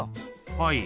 はい。